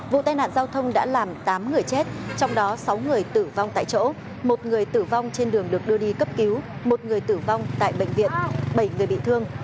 vụ tai nạn giao thông đã làm tám người chết trong đó sáu người tử vong tại chỗ một người tử vong trên đường được đưa đi cấp cứu một người tử vong tại bệnh viện bảy người bị thương